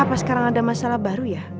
apa sekarang ada masalah baru ya